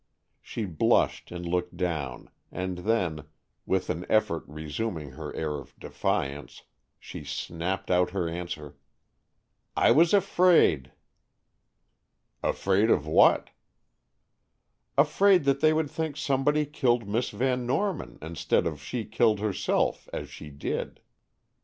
She blushed and looked down, and then, with an effort resuming her air of defiance, she snapped out her answer: "I was afraid." "Afraid of what?" "Afraid that they would think somebody killed Miss Van Norman, instead of that she killed herself, as she did."